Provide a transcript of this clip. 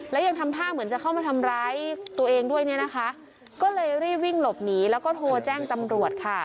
แล้วยังทำท่าเหมือนจะเข้ามาทำร้ายตัวเองด้วยเนี่ยนะคะก็เลยรีบวิ่งหลบหนีแล้วก็โทรแจ้งตำรวจค่ะ